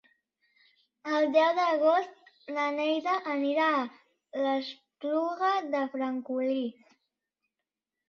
El deu d'agost na Neida anirà a l'Espluga de Francolí.